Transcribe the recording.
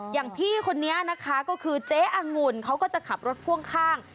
อย่างพี่คนนี้นะคะก็คือเจ๊อังุ่นเขาก็จะขับรถพ่วงข้าง